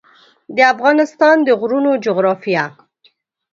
د افغانستان د غرونو جغرافیه